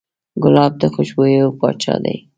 ګلاب د خوشبویو پاچا دی.